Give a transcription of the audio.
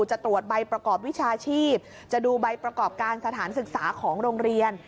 จะตรวจใบประกอบวิชาชีพจะดูใบประกอบการสถานศึกษาของโรงเรียน